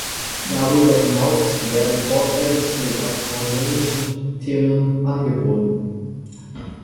Darüber hinaus werden Vorträge zu astronomischen Themen angeboten.